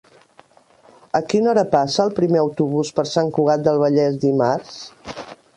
A quina hora passa el primer autobús per Sant Cugat del Vallès dimarts?